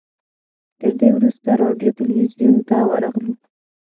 تر دې وروسته راډیو تلویزیون ته ورغلو.